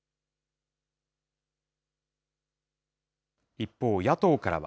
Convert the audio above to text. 一方、野党からは。